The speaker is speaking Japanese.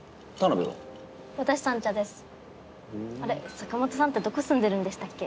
坂本さんってどこ住んでるんでしたっけ？